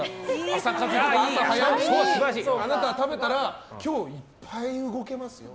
朝早くに食べたら今日いっぱい動けますよ。